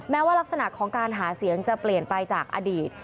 ว่ารักษณะของการหาเสียงจะเปลี่ยนไปจากอดีต